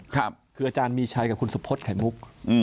คืออาจารย์มีชัยกับคุณสุพธิ์ไข่มุก